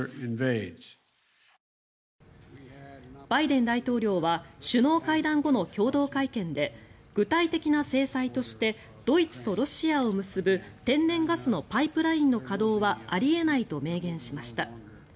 バイデン大統領は首脳会談後の共同会見で具体的な制裁としてドイツとロシアを結ぶ天然ガスのパイプラインの稼働はあり得ないと明言しました。